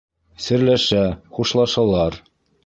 Серләшә, хушлашалар.